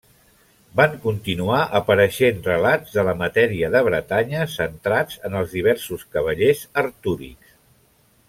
Van continuar apareixent relats de la matèria de Bretanya centrats en els diversos cavallers artúrics.